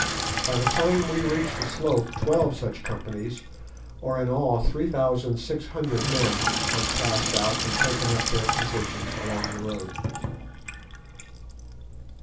By the time we reached the slope twelve such companies, or in all three thousand six hundred men, had passed out and taken up their positions along the road.